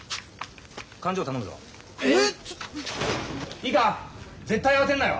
いいか絶対慌てるなよ！